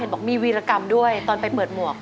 บอกมีวีรกรรมด้วยตอนไปเปิดหมวก